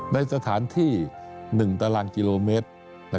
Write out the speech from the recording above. ในสถานที่๑ตารางกิโลเมตร